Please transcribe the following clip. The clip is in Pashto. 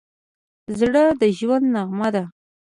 زړه د ژوند نغمه ده.